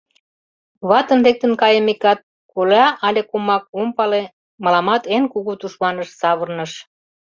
Ватын лектын кайымекат коля але комак — ом пале, мыламат эн кугу тушманыш савырныш.